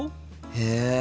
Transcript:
へえ。